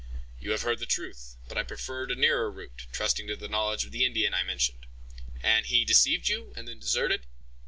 "You have heard the truth; but I preferred a nearer route, trusting to the knowledge of the Indian I mentioned." "And he deceived you, and then deserted?"